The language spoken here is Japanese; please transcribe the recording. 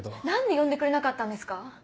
何で呼んでくれなかったんですか。